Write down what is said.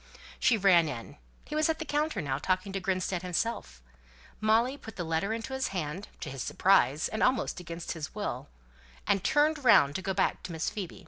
She ran in; he was at the counter now, talking to Grinstead himself; Molly put the letter into his hand, to his surprise, and almost against his will, and turned round to go back to Miss Phoebe.